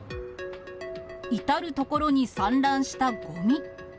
至る所に散乱したごみ。